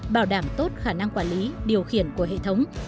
bảo đảm tốt khả năng quản lý điều khiển của hệ thống